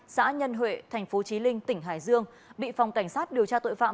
xã nhân huệ thành phố trí linh tỉnh hải dương bị phòng cảnh sát điều tra tội phạm